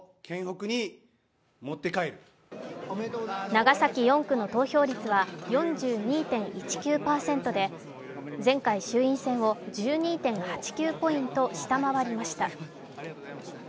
長崎４区の投票率は４２．１９％で前回衆院選を１２．８９ポイント下回りました。